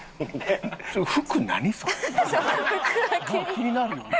気になるよね。